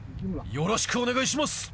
よろしくお願いします。